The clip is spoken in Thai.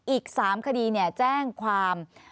อีก๓คดีเนี่ยแจ้งความ